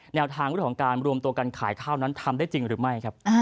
แนวทางเรื่องของการรวมตัวกันขายข้าวนั้นทำได้จริงหรือไม่ครับ